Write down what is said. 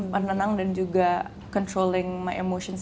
menenang dan juga controlling my emotions